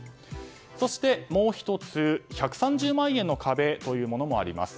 そして、もう１つ１３０万円の壁もあります。